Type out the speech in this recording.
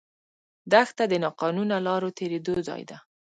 دښته د ناقانونه لارو تېرېدو ځای ده.